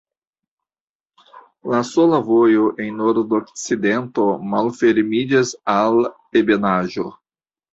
La sola vojo en nordokcidento malfermiĝas al ebenaĵo.